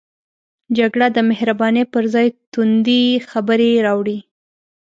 جګړه د مهربانۍ پر ځای توندې خبرې راوړي